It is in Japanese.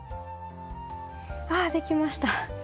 あできました。